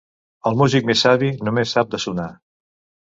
El músic més savi, només sap de sonar.